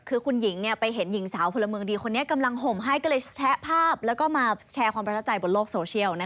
คือคุณหญิงไปเห็นหญิงสาวพลเมืองดีคนนี้กำลังห่มให้ก็เลยแชะภาพแล้วก็มาแชร์ความประทับใจบนโลกโซเชียล